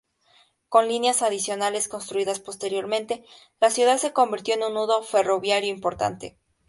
Con líneas adicionales construidas posteriormente, la ciudad se convirtió en un nudo ferroviario importante.